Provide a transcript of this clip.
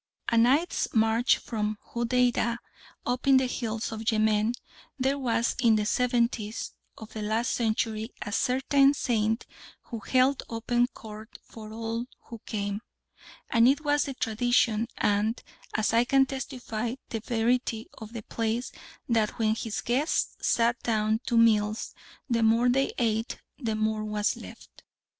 A night's march from Hodeidah, up in the hills of Yemen, there was in the seventies of the last century a certain saint who held open court for all who came, and it was the tradition, and, as I can testify, the verity of the place that when his guests sat down to meals the more they ate the more was left.